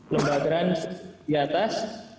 lembagaan di atas